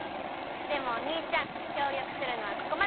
でもおにいちゃんきょうりょくするのはここまで！